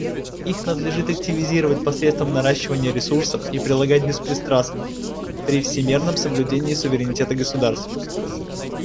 Их надлежит активизировать посредством наращивания ресурсов и прилагать беспристрастно, при всемерном соблюдении суверенитета государств.